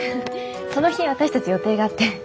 その日私たち予定があって。